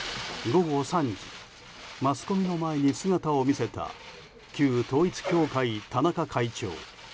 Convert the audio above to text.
午後３時マスコミの前に姿を見せた旧統一教会、田中会長。